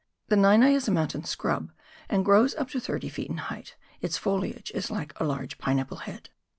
The nei nei is a mountain scrub, and grows up to 30 ft. in height ; its foliage is like a large pine apple head.